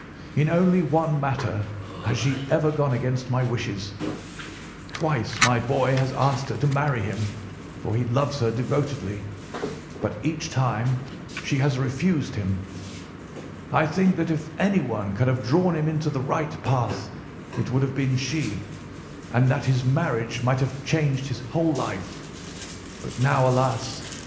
In only one matter has she ever gone against my wishes. Twice my boy has asked her to marry him, for he loves her devotedly, but each time she has refused him. I think that if anyone could have drawn him into the right path it would have been she, and that his marriage might have changed his whole life; but now, alas!